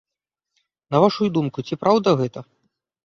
На вашую думку, ці праўда гэта?